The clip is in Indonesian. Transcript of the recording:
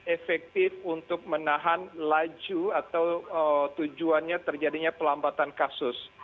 efektif untuk menahan laju atau tujuannya terjadinya pelambatan kasus